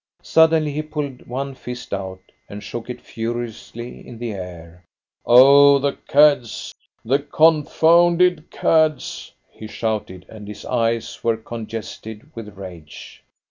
Suddenly he pulled one fist out, and shook it furiously in the air. "Oh, the cads! the confounded cads!" he shouted, and his eyes were congested with rage.